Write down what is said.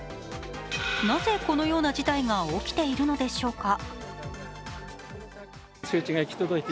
なぜこのような事態が起きているのでしょうか。